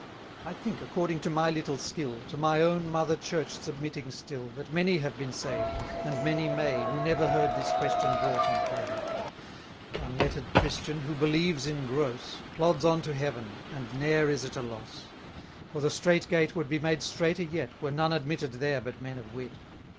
I think, according to my little skill, To my own Mother Church submitting still, That many have been saved, and many may, 320 Who never heard this question brought in play. Th' unletter'd Christian, who believes in gross, Plods on to heaven, and ne'er is at a loss; For the strait gate would be made straiter yet, Were none admitted there but men of wit.